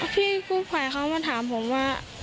พี่กู้ภัยเขามาถามผมว่า